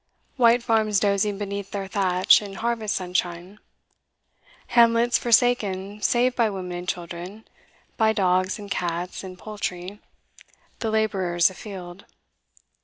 White farms dozing beneath their thatch in harvest sunshine; hamlets forsaken save by women and children, by dogs and cats and poultry, the labourers afield.